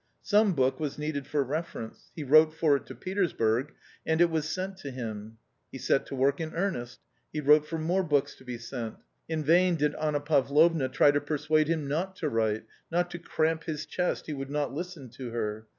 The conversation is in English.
Some book was needed for reference ; he wrote for it to Petersburg, and it was sent him. He set to work in earnest. He wrote for more books to be sent. In vain did Anna Pavlovna try to persuade him not to write, " not to cramp his chest," he would not listen to her.